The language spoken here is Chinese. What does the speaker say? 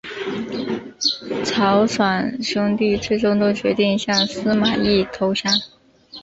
曹爽兄弟最终都决定向司马懿投降。